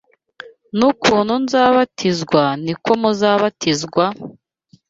n’ukuntu nzabatizwa ni ko muzabatizwa,